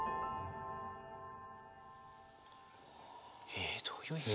えっどういう意味？